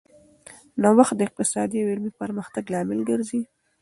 نوښت د اقتصادي او علمي پرمختګ لامل ګرځي.